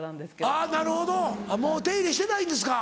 あぁなるほどもう手入れしてないんですか。